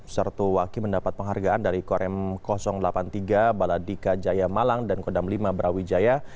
sertu waki mendapat penghargaan dari korem delapan puluh tiga baladika jaya malang dan kodam lima brawijaya